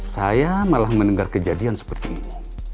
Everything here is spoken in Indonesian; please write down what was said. saya malah mendengar kejadian seperti ini